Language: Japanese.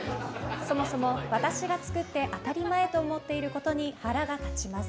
そもそも私が作って当たり前と思っていることに腹が立ちます。